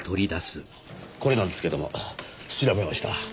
これなんですけども調べました。